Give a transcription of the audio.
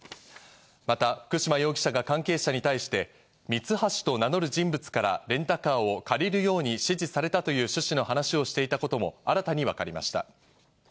また、福島容疑者が関係者に対してミツハシと名乗る人物からレンタカーを借りるように指示されたという趣旨の話をしていたことも新たに分かりました。